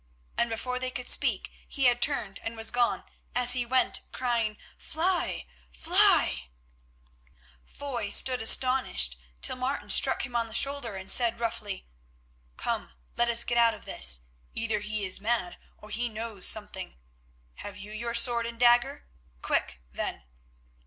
and before they could speak he had turned and was gone, as he went crying, "Fly! Fly!" Foy stood astonished till Martin struck him on the shoulder, and said roughly: "Come, let us get out of this. Either he is mad, or he knows something. Have you your sword and dagger? Quick, then."